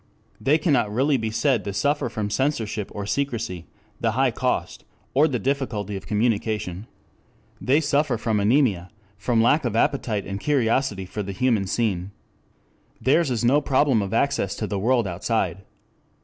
They cannot really be said to suffer from censorship, or secrecy, the high cost or the difficulty of communication. They suffer from anemia, from lack of appetite and curiosity for the human scene. Theirs is no problem of access to the world outside.